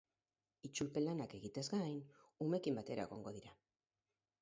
Itzulpen lanak egiteaz gain, umeekin batera egongo dira.